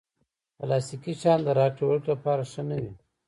پلاستيکي شیان د راکړې ورکړې لپاره ښه نه وي.